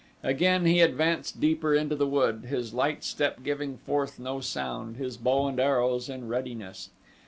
Again he advanced deeper into the wood, his light step giving forth no sound, his bow and arrows in readiness.